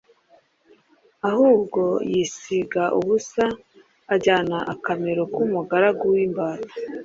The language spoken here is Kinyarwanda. ahubwo yisiga ubusa ajyana akamero k’umugaragu w’imbata,